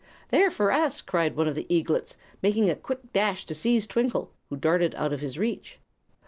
"They're for us!" cried one of the eaglets, making a quick dash to seize Twinkle, who darted out of his reach.